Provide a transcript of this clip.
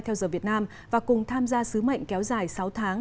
theo giờ việt nam và cùng tham gia sứ mệnh kéo dài sáu tháng